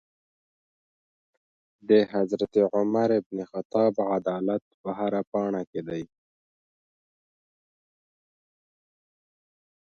د حضرت عمر بن خطاب عدالت په هره پاڼې کي دی.